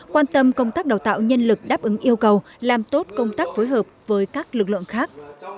quan tâm công tác đào tạo nhân lực đáp ứng yêu cầu làm tốt công tác phối hợp với các lực lượng khác